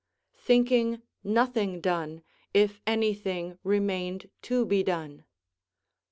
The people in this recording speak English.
["Thinking nothing done, if anything remained to be done.